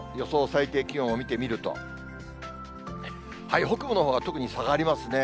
最低気温を見てみると、北部のほうが特に下がりますね。